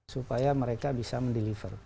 supaya mereka bisa mendeliver